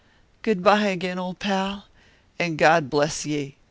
"Good by, again, old pal, and God bless ye!"